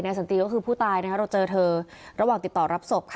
สันตีก็คือผู้ตายเราเจอเธอระหว่างติดต่อรับศพค่ะ